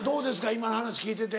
今の話聞いてて。